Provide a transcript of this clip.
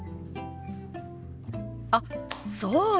あっそうだ！